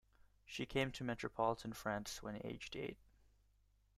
She came to Metropolitan France when aged eight.